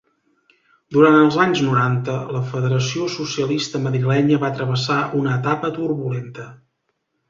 Durant els anys noranta, la Federació Socialista Madrilenya va travessar una etapa turbulenta.